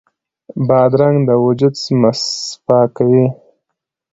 بادرنګ د وجود مصفا کوي.